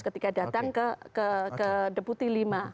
ketika datang ke deputi lima